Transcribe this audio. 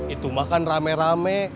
itu makan rame rame